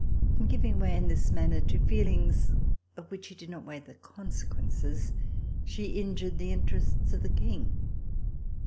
In giving way in this manner to feel ings of which she did not weigh the consequences she injured the interests of the King.